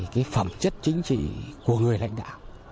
cái phẩm chất chính trị của người lãnh đạo